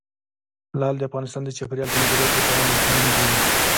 لعل د افغانستان د چاپیریال د مدیریت لپاره مهم دي.